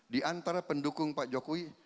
di antara pendukung pak jokowi